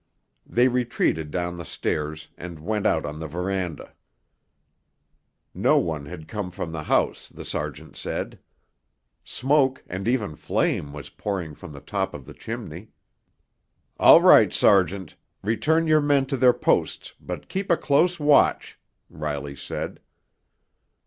They retreated down the stairs, and went out on the veranda. No one had come from the house, the sergeant said. Smoke, and even flame, was pouring from the top of the chimney. "All right, sergeant—return your men to their posts, but keep a close watch," Riley said.